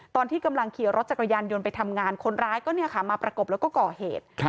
ตอนที่กำลังขี่รถจักรยานยนต์ไปทำงานคนร้ายก็มาประกบแล้วก็ก่อเหตุ